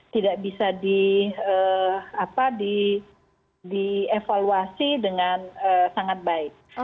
tidak bisa dievaluasi dengan sangat baik